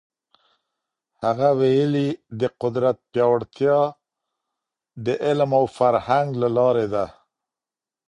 هغه ویلي، د قدرت پیاوړتیا د علم او فرهنګ له لاري ده.